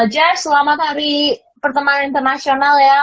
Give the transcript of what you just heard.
jazz selamat hari pertemanan internasional ya